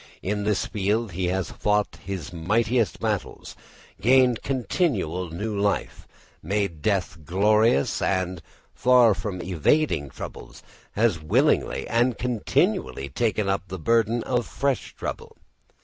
In this field he has fought his mightiest battles, gained continual new life, made death glorious, and, far from evading troubles, has willingly and continually taken up the burden of fresh trouble.